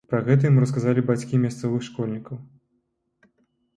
Пра гэта яму расказалі бацькі мясцовых школьнікаў.